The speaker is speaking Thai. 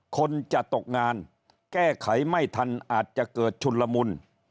คนจะตกงานแก้ไขไม่ทันอาจจะเกิดชุนละมุน